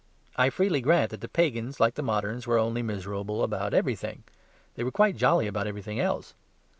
I freely grant that the pagans, like the moderns, were only miserable about everything they were quite jolly about everything else.